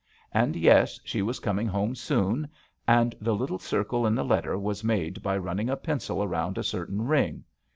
And, yes, she was coming home soon; and the little circle in the letter was made by running a pencil around .a certain ring.